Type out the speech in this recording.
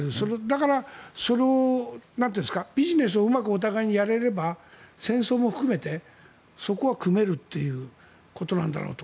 だからそれをビジネスをうまくお互いにやれれば戦争も含めて、そこは組めるということなんだろうと。